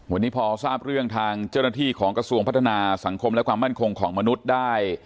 วันนี้พอทราบเรื่องทางเจ้าหน้าที่ของกระทรวงพัฒนาสังคมและความมั่นคงของมนุษย์ได้